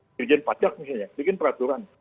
dirjen pajak misalnya bikin peraturan